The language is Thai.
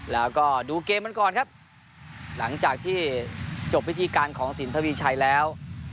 แล้วก็ดูเกมมันก่อนครับหลังจากที่จบพิธีการของสินทวีชัยแล้ว